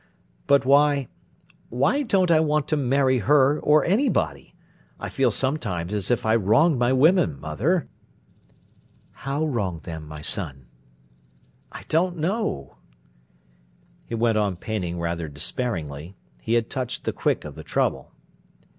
But why—why don't I want to marry her or anybody? I feel sometimes as if I wronged my women, mother." "How wronged them, my son?" "I don't know." He went on painting rather despairingly; he had touched the quick of the trouble.